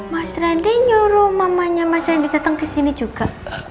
mas randy nyuruh mamanya mas randy datang kesini juga